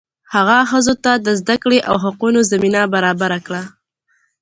هغه ښځو ته د زده کړې او حقونو زمینه برابره کړه.